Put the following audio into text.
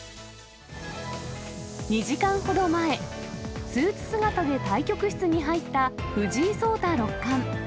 ２時間ほど前、スーツ姿で対局室に入った藤井聡太六冠。